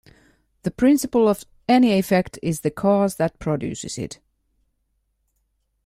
The principle of any effect is the cause that produces it.